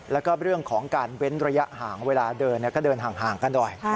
แล้วก็เรื่องของการเว้นระยะห่างเวลาเดินก็เดินห่างกันหน่อย